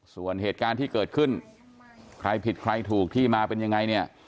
ส่วนเหตุการณ์ที่เกิดขึ้นใครผิดใครถูกที่มาเป็นยังไงเนี่ย